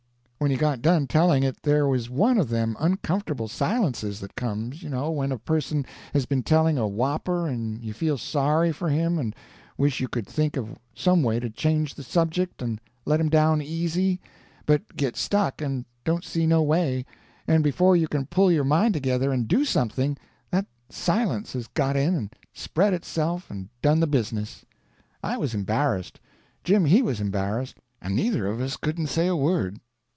When he got done telling it there was one of them uncomfortable silences that comes, you know, when a person has been telling a whopper and you feel sorry for him and wish you could think of some way to change the subject and let him down easy, but git stuck and don't see no way, and before you can pull your mind together and do something, that silence has got in and spread itself and done the business. I was embarrassed, Jim he was embarrassed, and neither of us couldn't say a word.